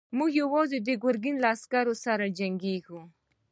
موږ يواځې د ګرګين له عسکرو سره جنګېږو.